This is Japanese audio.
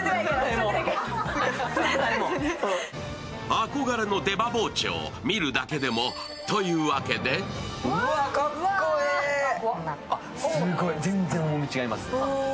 憧れの出刃包丁、見るだけでもということですごい全然重み違いますよ。